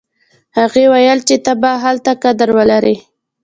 هغې ویل چې ته به هلته قدر ولرې